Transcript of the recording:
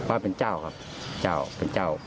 ว่าเป็นเจ้าครับเจ้าเป็นเจ้า